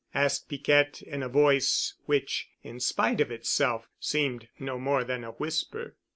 asked Piquette in a voice which in spite of itself seemed no more than a whisper.